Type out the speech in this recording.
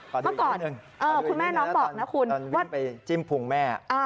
พอดูอีกนิดหนึ่งพอดูอีกนิดหนึ่งนะครับตอนวิ่งไปจิ้มพุงแม่